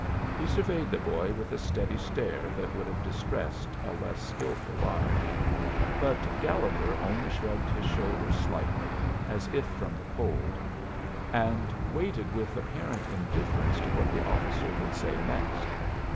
He surveyed the boy with a steady stare that would have distressed a less skilful liar, but Gallegher only shrugged his shoulders slightly, as if from the cold, and waited with apparent indifference to what the officer would say next.